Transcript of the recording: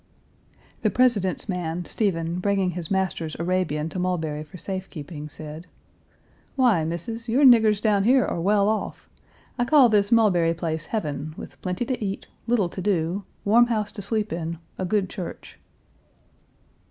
The President's man, Stephen, bringing his master's Arabian to Mulberry for safe keeping, said: "Why, Missis, your niggers down here are well off. I call this Mulberry place heaven, with plenty to eat, little to do, warm house to sleep in, a good church."